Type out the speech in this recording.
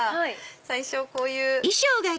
最初こういう。